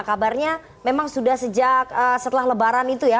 kabarnya memang sudah sejak setelah lebaran itu ya